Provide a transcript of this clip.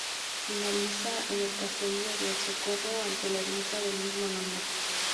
Finaliza en el caserío de El Socorro, ante la ermita del mismo nombre.